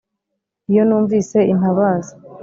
Iyo numvise intabaza